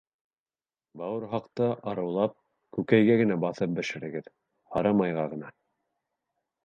— Бауырһаҡты арыулап, күкәйгә генә баҫып бешерегеҙ, һары майға ғына.